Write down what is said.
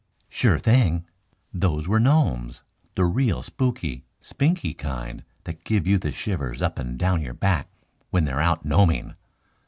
"Sure thing. Those were gnomes the real spooky, spinky kind that give you the shivers up and down your back when they're out gnoming.